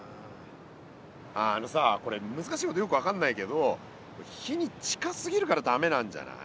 あのさこれ難しいことよく分かんないけど火に近すぎるから駄目なんじゃない？